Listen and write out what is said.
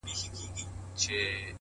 لوړ لید محدودیتونه کوچني ښيي،